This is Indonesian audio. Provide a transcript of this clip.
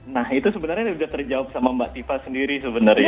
nah itu sebenarnya sudah terjawab sama mbak tipa sendiri sebenarnya